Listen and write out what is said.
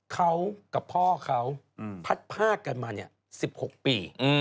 เขากับพ่อเขาพัดภาคกันมา๑๖ปี